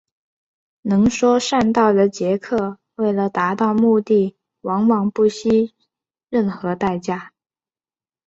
能说善道的杰克为了达到目的往往不惜任何代价。